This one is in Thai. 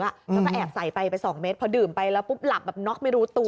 แล้วก็แอบใส่ไปไป๒เม็ดพอดื่มไปแล้วปุ๊บหลับแบบน็อกไม่รู้ตัว